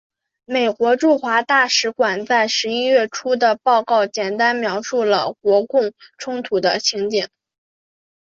美国驻华大使馆在十一月初的报告简单描述了国共冲突的情形。